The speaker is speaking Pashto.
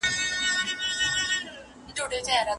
نه پلار ګوري نه خپلوان او نه تربرونه